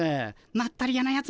まったり屋のやつ